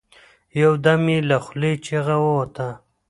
يو دم يې له خولې چيغه ووته.